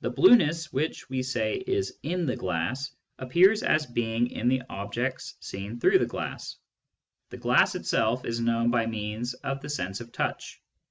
The blueness, which we say is in the glass, appears as being in the objects seen through the glass. The glass itself is known by means of the sense of touch.